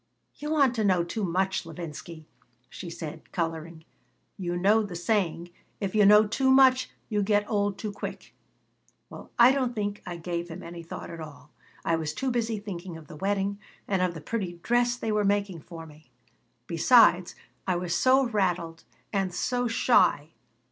"You want to know too much, Levinsky," she said, coloring. "You know the saying, 'If you know too much you get old too quick.' Well, I don't think I gave him any thought at all. I was too busy thinking of the wedding and of the pretty dress they were making for me. Besides. I was so rattled and so shy.